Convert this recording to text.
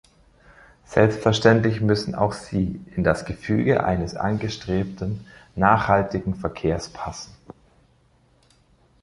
Selbstverständlich müssen auch sie in das Gefüge eines angestrebten nachhaltigen Verkehrs passen.